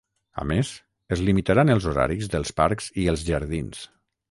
A més, es limitaran els horaris dels parcs i els jardins.